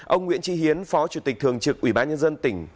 ông nguyễn tri hiến phó chủ tịch thường trực ủy ban nhân dân tỉnh